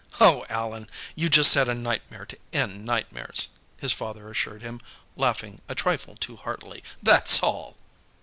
"Oh, Allan, you just had a nightmare to end nightmares!" his father assured him, laughing a trifle too heartily. "That's all!"